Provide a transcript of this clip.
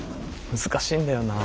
難しいんだよなあ。